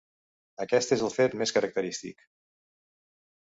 Aquest és el fet més característic.